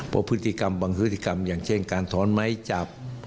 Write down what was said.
เพราะพฤติกรรมบางพฤติกรรมอย่างเช่นการถอนไม้จับ